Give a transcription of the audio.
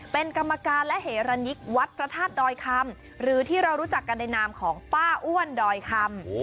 เป็นกรรมการและเหรณยิกวัดพระธาตุดอยคำหรือที่เรารู้จักกันในนามของป้าอ้วนดอยคำ